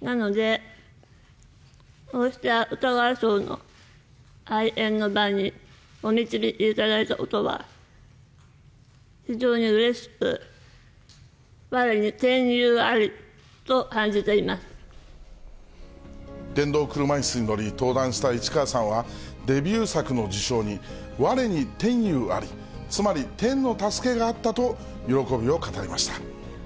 なので、こうして芥川賞の会見の場にお導きいただいたことは、非常にうれしく、電動車いすに乗り、登壇した市川さんは、デビュー作の受賞に、我に天祐あり、つまり、天の助けがあったと喜びを語りました。